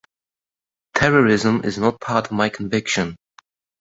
Terrorism is not part of my conviction.